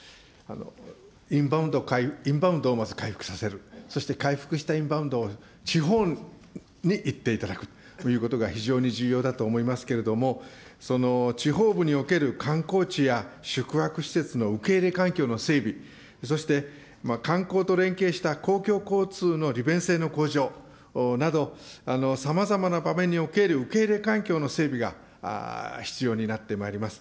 インバウンドをまず回復させる、そして回復したインバウンドを地方に行っていただくということが非常に重要だと思いますけれども、その地方部における観光地や宿泊施設の受け入れ環境の整備、そして観光と連携した公共交通の利便性の向上など、さまざまな場面における受け入れ環境の整備が必要になってまいります。